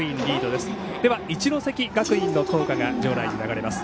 では一関学院の校歌が場内に流れます。